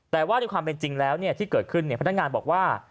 แต่ว่าด้วยความเป็นจริงแล้วที่เกิดขึ้นพนักงานบอกว่า